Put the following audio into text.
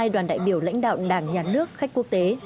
chín trăm một mươi hai đoàn đại biểu lãnh đạo đảng nhà nước khách quốc tế